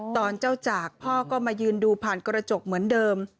ตอนเจ้าจากพ่อก็มายืนดูผ่านกระจกเหมือนเดิม